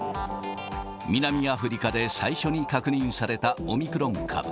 南アフリカで最初に確認されたオミクロン株。